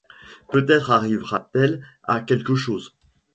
Peut-être arrivera-t-elle à quelque chose.